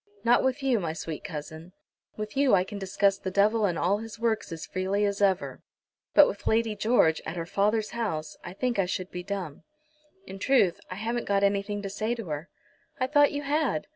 "Not with you, my sweet cousin. With you I can discuss the devil and all his works as freely as ever; but with Lady George, at her father's house, I think I should be dumb. In truth, I haven't got anything to say to her." "I thought you had."